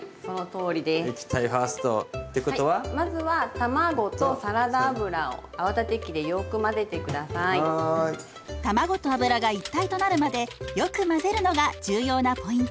卵と油が一体となるまでよく混ぜるのが重要なポイント。